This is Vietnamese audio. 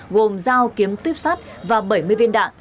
gồm dao kiếm tuyếp sắt và bảy mươi viên đạn